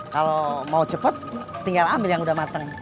kalo mau cepet tinggal ambil yang udah mateng